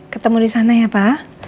ketemu di sana ya pak